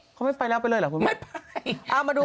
เขาไม่ไปแล้วไปเลยเหรอคุณผู้ชมไม่ไป